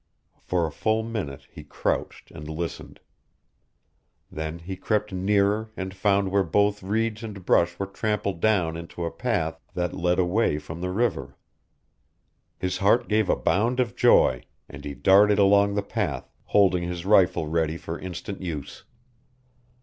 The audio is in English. For a full minute he crouched and listened. Then he crept nearer and found where both reeds and brush were trampled down into a path that led away from the river. His heart gave a bound of joy, and he darted along the path, holding his rifle ready for instant use.